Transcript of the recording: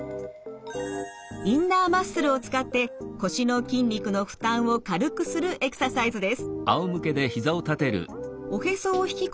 インナーマッスルを使って腰の筋肉の負担を軽くするエクササイズです。